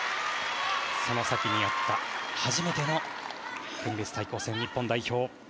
その先にあった初めての国別対抗戦、日本代表。